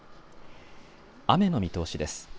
雨の見通しです。